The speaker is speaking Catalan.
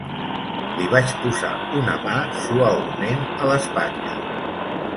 Li vaig posar una mà suaument a l'espatlla.